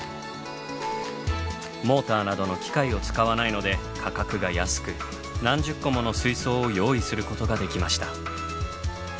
モーターなどの機械を使わないので価格が安く何十個もの水槽を用意することができました。